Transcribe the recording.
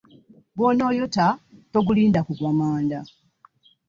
Gw'onooyota, togulinda kugwa manda